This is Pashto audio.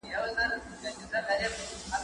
زه له سهاره سبزیحات خورم؟!